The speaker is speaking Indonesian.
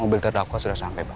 mobil terdakwa sudah sampai pak